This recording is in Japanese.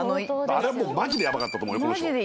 あれはマジでヤバかったと思うよこの人。